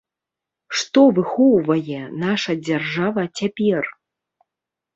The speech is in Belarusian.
Што выхоўвае наша дзяржава цяпер?